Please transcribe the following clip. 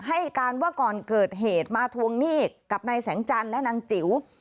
ให้การว่าก่อนเกิดเหตุมาทวงหนี้กับนายแสงจันทร์และนางจิ๋ว